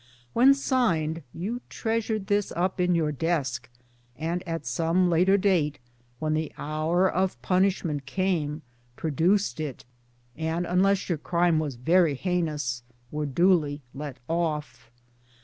When signed you treasured this up in your desk and at some later date when the hour of punishment came, pro duced it, and unless your crime was very heinous were duly let off